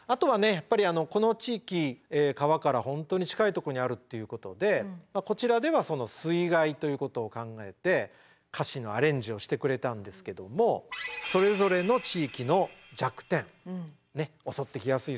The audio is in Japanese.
やっぱりこの地域川から本当に近いとこにあるっていうことでこちらでは水害ということを考えて歌詞のアレンジをしてくれたんですけどもそれぞれの地域の弱点襲ってきやすい